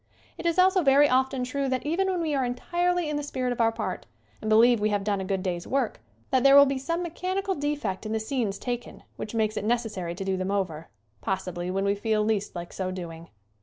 It is also very often true that even when we are entirely in the spirit of our part, and be lieve we have done a good day's work, that there will be some mechanical defect in the scenes taken which makes it necessary to do them over, possibly when we feel least like so doing.